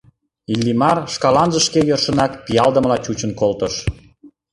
Иллимар шкаланже шке йӧршынак пиалдымыла чучын колтыш.